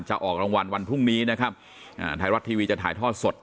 ออกรางวัลวันพรุ่งนี้นะครับอ่าไทยรัฐทีวีจะถ่ายทอดสด